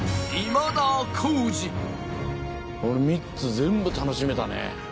この３つ全部楽しめたね